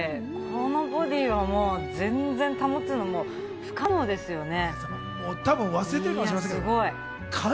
このボディーは保つの不可能ですよね。